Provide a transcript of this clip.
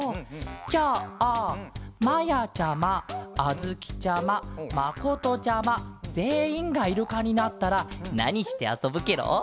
じゃあまやちゃまあづきちゃままことちゃまぜんいんがイルカになったらなにしてあそぶケロ？